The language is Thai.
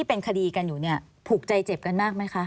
๓แสนครับผม